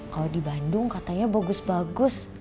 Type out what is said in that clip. kalau di bandung katanya bagus bagus